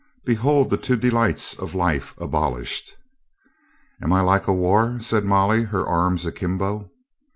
Behold the two delights of life abolished." "Am I like a war?" said Molly, her arms akimbo.